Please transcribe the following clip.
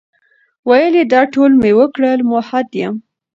ویل دا ټول مي وکړل، مؤحد یم ،